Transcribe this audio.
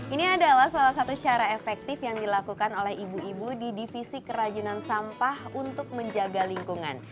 ini adalah salah satu cara efektif yang dilakukan oleh ibu ibu di divisi kerajinan sampah untuk menjaga lingkungan